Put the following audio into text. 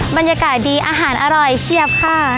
บรรยากาศดีอาหารอร่อยเชียบค่ะ